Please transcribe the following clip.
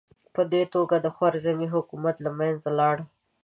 په دې توګه خوارزمي حکومت له منځه لاړ.